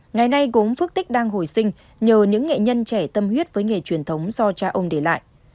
ngày nay gốm phước tích đang hồi sinh nhờ những nghệ nhân trẻ tâm huyết với nghề truyền thống do cha ông để lại